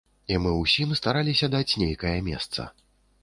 І мы ўсім стараліся даць нейкае месца.